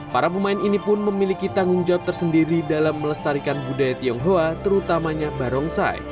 para pemain ini pun memiliki tanggung jawab tersendiri dalam melestarikan budaya tionghoa terutamanya barongsai